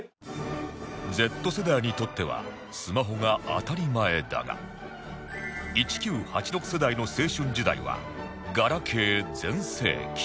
Ｚ 世代にとってはスマホが当たり前だが１９８６世代の青春時代はガラケー全盛期